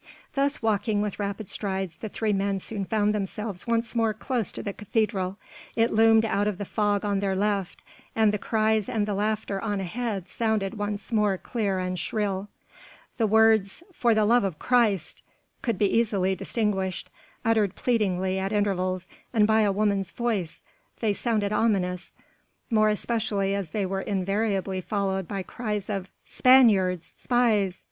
Thus walking with rapid strides the three men soon found themselves once more close to the cathedral: it loomed out of the fog on their left and the cries and the laughter on ahead sounded once more clear and shrill. The words "for the love of Christ!" could be easily distinguished; uttered pleadingly at intervals and by a woman's voice they sounded ominous, more especially as they were invariably followed by cries of "Spaniards! Spies!